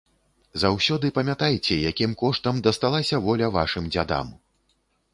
Заўсёды памятайце, якім коштам дасталася воля вашым дзядам!